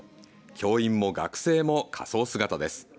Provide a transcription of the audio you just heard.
教員も学生も仮装姿です。